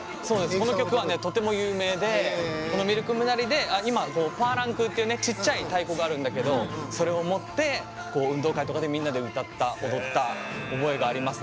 この曲はとても有名で「ミルクムナリ」でパーランクーっていうちっちゃい太鼓があるんだけどそれを持って運動会とかでみんなで歌って踊った覚えがあります。